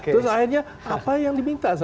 terus akhirnya apa yang diminta sama mereka